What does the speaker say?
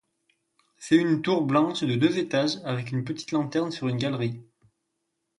C'est une tour blanche de deux étages, avec une petite lanterne sur une galerie.